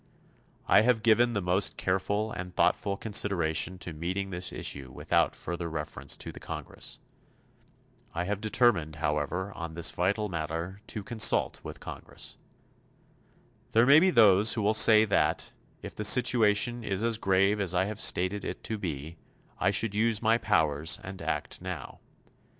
I have given the most careful and thoughtful consideration to meeting this issue without further reference to the Congress. I have determined, however, on this vital matter to consult with the Congress. There may be those who will say that, if the situation is as grave as I have stated it to be, I should use my powers and act now.